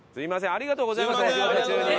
ありがとうございますお仕事中に。